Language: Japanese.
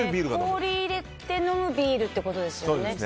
氷を入れて飲むビールってことですよね。